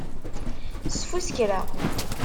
Sfuskreɣ.